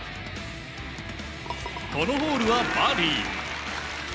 このホールはバーディー。